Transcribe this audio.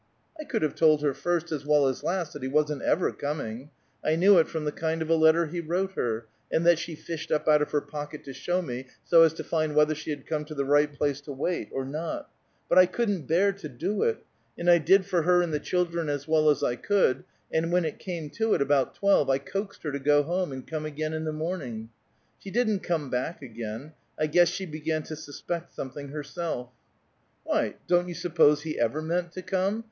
I could have told her first as well as last that he wasn't ever coming; I knew it from the kind of a letter he wrote her, and that she fished up out of her pocket to show me, so as to find whether she had come to the right place to wait, or not, but I couldn't bear to do it; and I did for her and the children as well as I could, and when it came to it, about twelve, I coaxed her to go home, and come again in the morning. She didn't come back again; I guess she began to suspect something herself." "Why, don't you suppose he ever meant to come?"